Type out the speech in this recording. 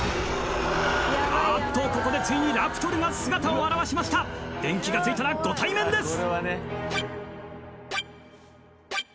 あーっとここでついにラプトルが姿を現しました電気がついたらご対面です